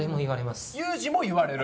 ユージも言われる？